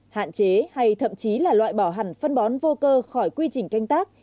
hạn chế hay thậm chí là loại bỏ hẳn phân bón vô cơ khỏi quy trình canh tác